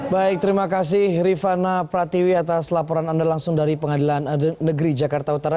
baik terima kasih rifana pratiwi atas laporan anda langsung dari pengadilan negeri jakarta utara